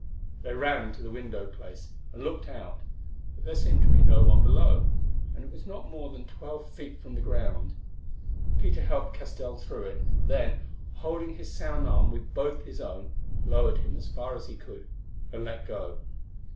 They ran to the window place and looked out, but there seemed to be no one below, and it was not more than twelve feet from the ground. Peter helped Castell through it, then, holding his sound arm with both his own, lowered him as far as he could, and let go.